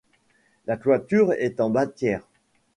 La toiture est en bâtière.